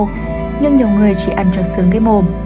nhưng nhiều người chỉ ăn cho sướng cái mồm